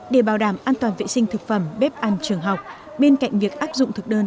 để bảo đảm an toàn vệ sinh thực phẩm bếp ăn trường học bên cạnh việc áp dụng thực đơn